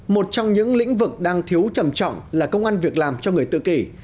một trong những lĩnh vực đang thiếu trầm trọng là công an việc làm cho người tự kỷ